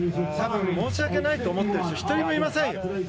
申し訳ないと思ってる人１人もいませんよ。